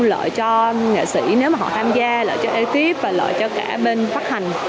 lợi cho nghệ sĩ nếu mà họ tham gia lại cho ekip và lợi cho cả bên phát hành